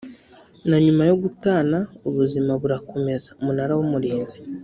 na nyuma yo gutana ubuzima burakomeza umunara w umurinzi